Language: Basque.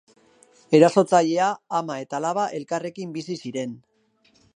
Erasotzailea, ama eta alaba elkarrekin bizi ziren.